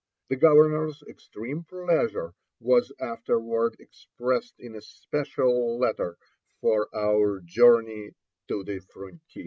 The governors extreme pleasure was afterward expressed in a special letter for our journey to the frontier.